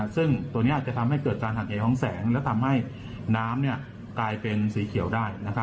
ซึ่งตัวนี้อาจจะทำให้เกิดการหักเหของแสงและทำให้น้ำกลายเป็นสีเขียวได้